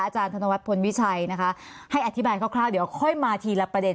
ธนวัฒนพลวิชัยนะคะให้อธิบายคร่าวเดี๋ยวค่อยมาทีละประเด็น